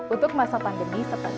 untuk masa pandemi setelah ini